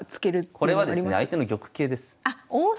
これはですね相手の玉形です。